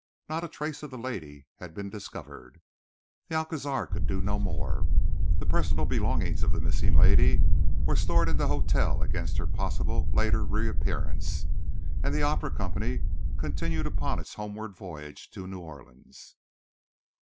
Not a trace of the lady had been discovered. The Alcazar could do no more. The personal belongings of the missing lady were stored in the hotel against her possible later reappearance and the opera company continued upon its homeward voyage to New Orleans.